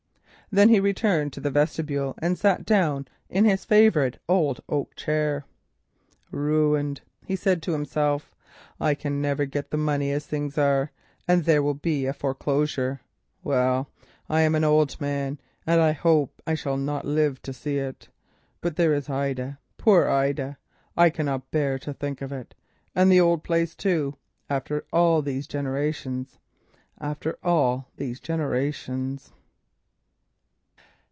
Then he returned to the vestibule and sat down in his favourite old oak chair. "Ruined," he said to himself. "I can never get the money as things are, and there will be a foreclosure. Well, I am an old man and I hope that I shall not live to see it. But there is Ida. Poor Ida! I cannot bear to think of it, and the old place too, after all these generations—after all these generations!"